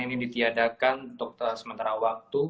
ini ditiadakan untuk sementara waktu